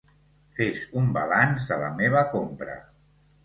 Fes un balanç de la meva compra.